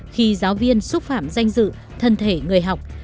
khi giáo viên xúc phạm danh dự thân thể người học